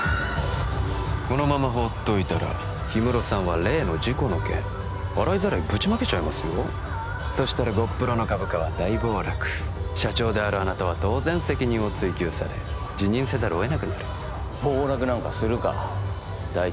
このまま放っておいたらヒムロさんは例の事故の件洗いざらいぶちまけちゃいますよそしたらゴップロの株価は大暴落社長であるあなたは当然責任を追及され辞任せざるを得なくなる暴落なんかするか第一